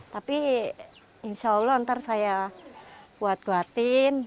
tapi insya allah nanti saya buat buatin